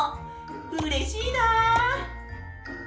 うれしいな。